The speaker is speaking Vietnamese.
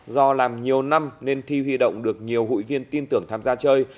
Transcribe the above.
do làm nhiều năm nên thi huy động được nhiều hội viên tin tưởng tham gia chơi